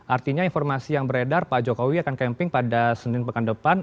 artinya informasi yang beredar pak jokowi akan camping pada senin pekan depan